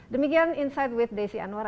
demikian insight with desi anwar